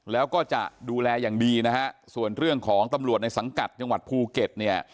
แล้วก็จะดูแลอย่างดีนะฮะส่วนเรื่องของตำรวจในสังกัดจังหวัดภูเก็ตเนี่ย